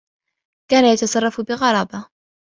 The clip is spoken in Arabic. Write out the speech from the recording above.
كان يتصرّف بغرابة.